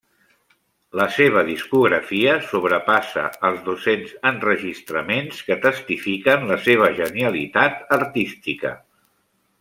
La seva discografia sobrepassa els dos-cents enregistraments que testifiquen la seva genialitat artística.